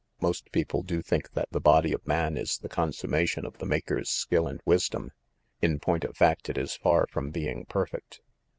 Most people do think that the body of man is the con summation of the Maker's skill and wisdom. In point of fact, it is far from being perfect.